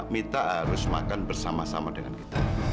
kita harus makan bersama sama dengan kita